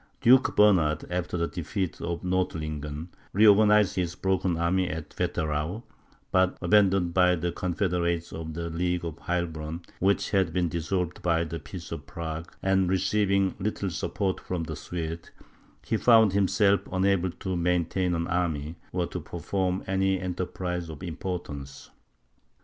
Duke Bernard, after the defeat of Nordlingen, reorganized his broken army at Wetterau; but, abandoned by the confederates of the League of Heilbronn, which had been dissolved by the peace of Prague, and receiving little support from the Swedes, he found himself unable to maintain an army, or to perform any enterprise of importance.